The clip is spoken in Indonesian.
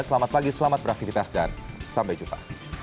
selamat pagi selamat beraktivitas dan sampai jumpa